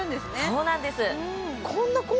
そうなんです